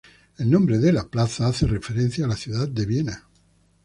El nombre de la plaza hace referencia a la ciudad de Viena.